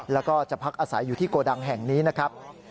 แล้วก็จะพักอาศัยอยู่ที่โกดังแห่งนี้นะครับ